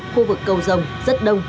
khu vực cầu rồng rất đông